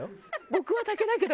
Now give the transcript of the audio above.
「僕は竹だけど」。